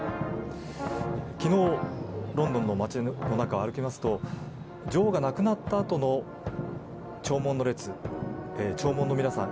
昨日、ロンドンの街の中を歩きますと女王が亡くなったあとの弔問の皆さん